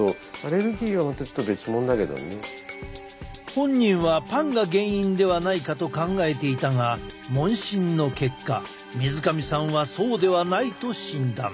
本人はパンが原因ではないかと考えていたが問診の結果水上さんはそうではないと診断。